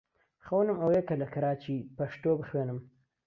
خەونم ئەوەیە کە لە کەراچی پەشتۆ بخوێنم.